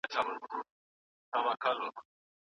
د هر چا به وي لاسونه زما ګرېوان کي